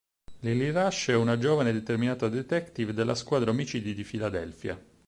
Lilly Rush è una giovane e determinata detective della squadra omicidi di Filadelfia.